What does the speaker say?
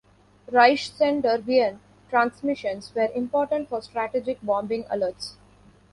"Reichssender Wien" transmissions were important for strategic bombing alerts.